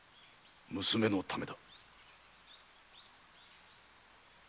娘のためだ。